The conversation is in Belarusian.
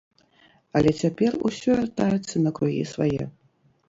Але цяпер усё вяртаецца на кругі свае.